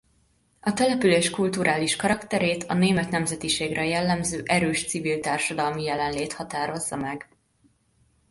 A település kulturális karakterét a német nemzetiségre jellemző erős civil társadalmi jelenlét határozza meg.